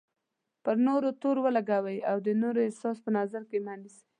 پر نورو تور ولګوئ او د نورو احساس په نظر کې مه نیسئ.